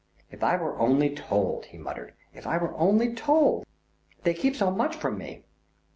If I were only told," he muttered, "if I were only told. They keep so much from me."